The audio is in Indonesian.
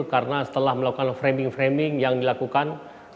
karena setelah melakukan framing framing yang dilakukan